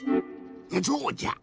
そうじゃ！